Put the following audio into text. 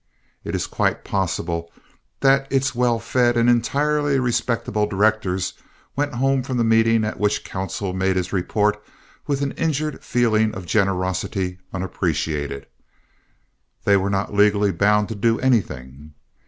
It is quite possible that its well fed and entirely respectable directors went home from the meeting at which counsel made his report with an injured feeling of generosity unappreciated they were not legally bound to do anything.